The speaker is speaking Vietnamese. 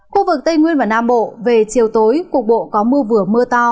khu vực tây nguyên và nam bộ về chiều tối cục bộ có mưa vừa mưa to